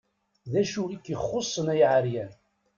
D acu i k-ixuṣṣen, ay aɛeryan?